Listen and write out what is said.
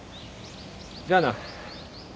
じゃあな。